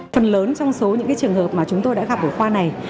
phần lớn trong số những trường hợp mà chúng tôi đã gặp ở khoa này